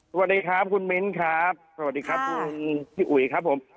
สวัสดีครับคุณมิ้นครับสวัสดีครับคุณพี่อุ๋ยครับผม